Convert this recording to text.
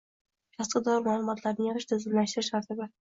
Shaxsga doir ma’lumotlarni yig‘ish, tizimlashtirish tartibi